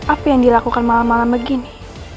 apa yang dilakukan malam malam begini